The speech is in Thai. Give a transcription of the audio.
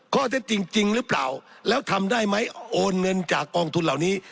ข้อเท็จจริงจริงหรือเปล่าแล้วทำได้ไหมโอนเงินจากกองทุนเหล่านี้